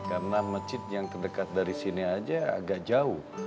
karena masjid yang terdekat dari sini aja agak jauh